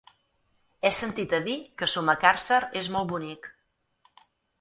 He sentit a dir que Sumacàrcer és molt bonic.